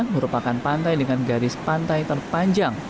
merupakan pantai dengan garis pantai terpanjang